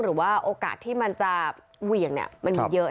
หรือว่าโอกาสที่มันจะเหวี่ยงมันมีเยอะ